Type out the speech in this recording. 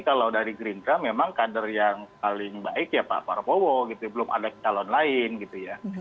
kalau dari gerindra memang kader yang paling baik ya pak prabowo gitu belum ada calon lain gitu ya